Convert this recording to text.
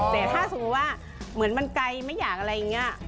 แต่ถ้าสมมุติว่าเหมือนมันไกลไม่อยากอะไรอย่างนี้